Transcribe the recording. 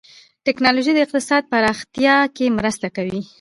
ټکنالوجي د اقتصاد پراختیا کې مرسته کوي.